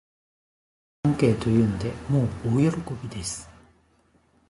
二人は大歓迎というので、もう大喜びです